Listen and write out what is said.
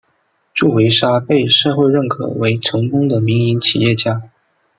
祝维沙被社会认可为成功的民营企业家。